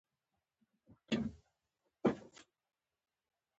اوس دې چوک نه اخليں؛ ترينو ګړدود